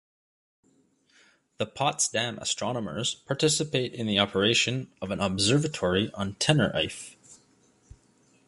The Potsdam astronomers participate in the operation of an observatory on Tenerife.